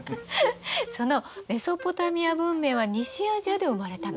そのメソポタミア文明は西アジアで生まれたの。